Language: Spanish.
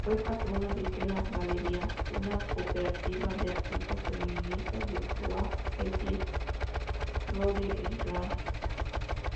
Fue patrona de Hera Galería, una cooperativa de artistas feministas en Wakefield, Rhode Island.